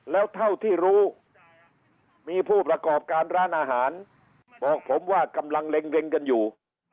แล้วเท่าที่รู้มีผู้ประกอบการร้านอาหารบอกผมว่ากำลังเล็งกันอยู่